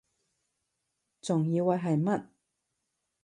仲以為係乜????